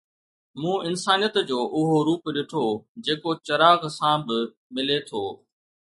مون انسانيت جو اهو روپ ڏٺو، جيڪو چراغ سان به ملي ٿو